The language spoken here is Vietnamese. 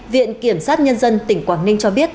viện kiểm sát nhân dân tỉnh quảng ninh cho biết